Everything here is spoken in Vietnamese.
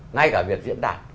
ngay cả việc diễn đạt